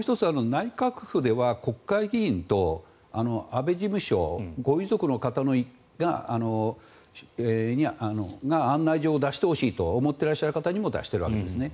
内閣府では、国会議員と安倍事務所、ご遺族の方が案内状を出してほしいと思っていらっしゃる方にも出しているわけですね。